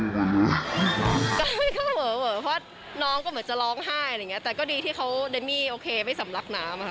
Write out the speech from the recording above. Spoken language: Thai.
น้องก็เหมือนมันจะล้องไห้แต่ก็สอบหลักน้ำก็ถูก